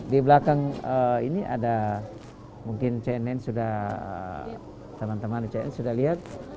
di belakang ini ada mungkin cnn sudah teman teman sudah lihat